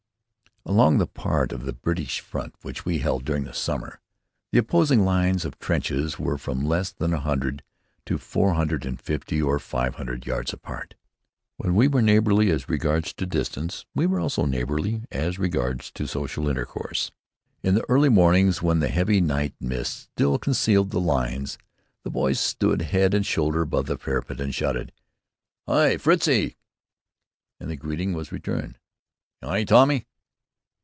Along the part of the British front which we held during the summer, the opposing lines of trenches were from less than a hundred to four hundred and fifty or five hundred yards apart. When we were neighborly as regards distance, we were also neighborly as regards social intercourse. In the early mornings when the heavy night mists still concealed the lines, the boys stood head and shoulders above the parapet and shouted: "Hi, Fritzie!" And the greeting was returned: "Hi, Tommy!"